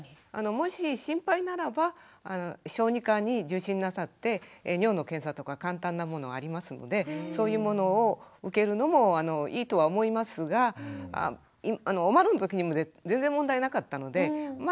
もし心配ならば小児科に受診なさって尿の検査とか簡単なものありますのでそういうものを受けるのもいいとは思いますがおまるのときにも全然問題なかったので大丈夫じゃないかとは思いますけどね。